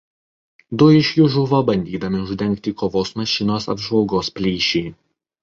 Du iš jų žuvo bandydami uždengti kovos mašinos apžvalgos plyšį.